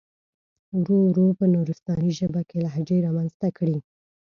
ورو ورو په نورستاني ژبه کې لهجې را منځته کړي.